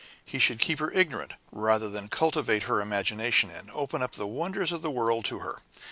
He should keep her ignorant, rather than cultivate her imagination, and open up the wonders of the world to her.